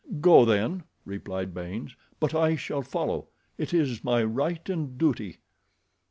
"Go, then," replied Baynes; "but I shall follow. It is my right and duty."